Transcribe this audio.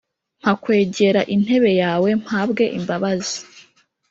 Mpa kwegera intedbe yawe mpabwe imbabazi